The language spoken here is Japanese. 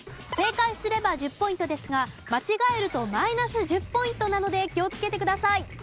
正解すれば１０ポイントですが間違えるとマイナス１０ポイントなので気をつけてください。